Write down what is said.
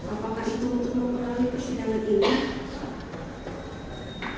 apakah itu untuk mengulangi persidangan ini